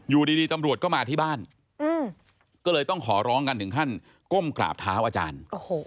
อยู่ดีตำรวจก็มาที่บ้านก็เลยต้องขอร้องกันถึงขั้นก้มกราบเท้าอาจารย์